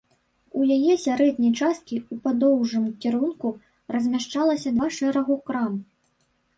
У яе сярэдняй часткі ў падоўжным кірунку размяшчалася два шэрагу крам.